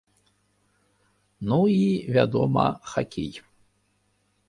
Ну і, вядома, хакей.